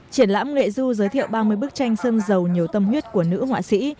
triển lãm nghệ du giới thiệu ba mươi bức tranh sân giàu nhiều tâm huyết của nữ họa sĩ